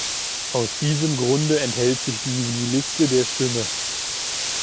Aus diesem Grunde enthält sich die Juniliste der Stimme.